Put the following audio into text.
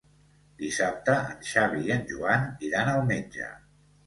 Dissabte en Xavi i en Joan iran al metge.